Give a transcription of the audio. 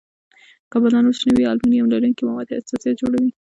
که بدن وچ نه وي، المونیم لرونکي مواد حساسیت جوړوي.